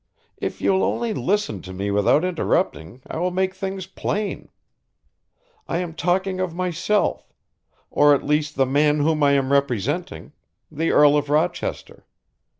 If you will only listen to me without interrupting I will make things plain. I am talking of myself or at least the man whom I am representing, the Earl of Rochester.